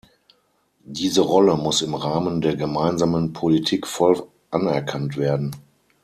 Diese Rolle muss im Rahmen der gemeinsamen Politik voll anerkannt werden.